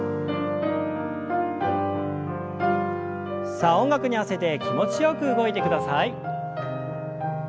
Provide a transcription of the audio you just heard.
さあ音楽に合わせて気持ちよく動いてください。